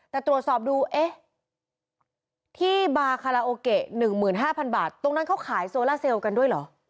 แต่ตรวจสอบดูเอ๊ะที่บาคาราโอเกะ๑๕๐๐บาทตรงนั้นเขาขายโซล่าเซลล์กันด้วยเหรอ